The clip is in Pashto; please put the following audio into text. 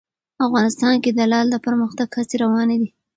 افغانستان کې د لعل د پرمختګ هڅې روانې دي.